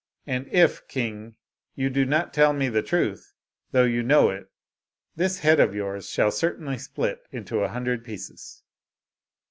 And if, king, you do not tell me the truth, though you know it, this head of yours shall cer tainly split in a hundred pieces."